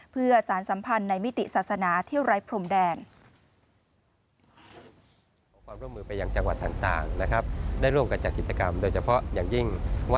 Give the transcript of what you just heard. เพื่อสารสัมพันธ์ในมิติศาสนาที่ไร้พรมแดง